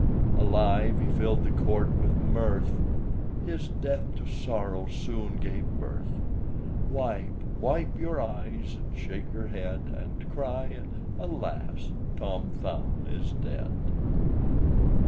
Alive he filled the Court with mirth; His death to sorrow soon gave birth. Wipe, wipe your eyes, and shake your head And cry Alas! Tom Thumb is dead!"